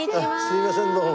すいませんどうも。